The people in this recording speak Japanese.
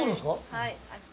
はい。